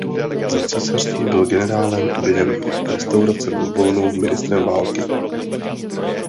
Za císařství byl generálem a během restaurace Bourbonů ministrem války.